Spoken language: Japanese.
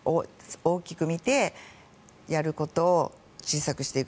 大きく見てやることを小さくしていく。